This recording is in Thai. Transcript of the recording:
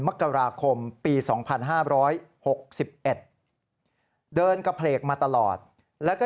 มกราคมปีสองพันห้าร้อยหกสิบเอ็ดเดินกระเพลกมาตลอดแล้วก็